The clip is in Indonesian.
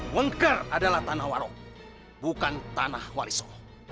wengker adalah tanah warog bukan tanah wariso